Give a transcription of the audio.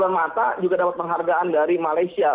bermata juga dapat penghargaan dari malaysia